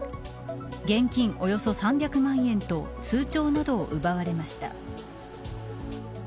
現金およそ３００万円と通帳などを奪われました。